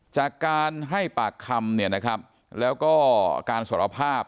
จากการให้ปากคำแล้วก็การสารภาพ